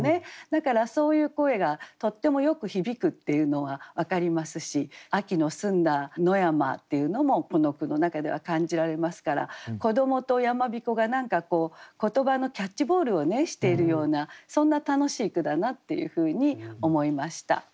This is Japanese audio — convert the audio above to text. だからそういう声がとってもよく響くっていうのは分かりますし秋の澄んだ野山っていうのもこの句の中では感じられますから子どもと山彦が何か言葉のキャッチボールをしているようなそんな楽しい句だなっていうふうに思いました。